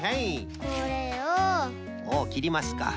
おおきりますか！